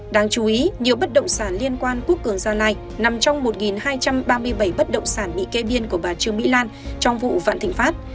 đáng chú ý nhiều bất động sản liên quan quốc cường gia lai nằm trong một hai trăm ba mươi bảy bất động sản bị kê biên của bà trương mỹ lan trong vụ vạn thịnh pháp